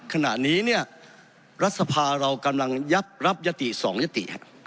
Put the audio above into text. ขณะนี้เนี่ยรัฐสภาเรากำลังยับรับยติ๒ยติ